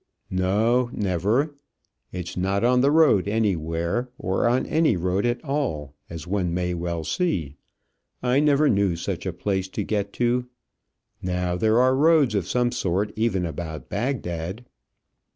"No, never. It's not on the road anywhere, or on any road at all, as one may well see. I never knew such a place to get to. Now there are roads of some sort even about Bagdad."